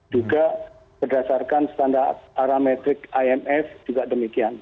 juga berdasarkan standar parametrik imf juga demikian